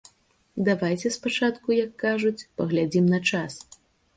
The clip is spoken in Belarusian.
Давайце спачатку, як кажуць, паглядзім на час.